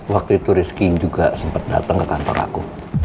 waktu itu rizky juga sempet dateng ke kantor aku